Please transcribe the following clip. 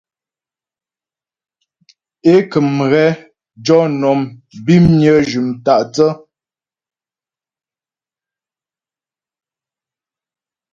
É kə̀m ghɛ jɔ nɔm bimnyə jʉm tâ'thə́.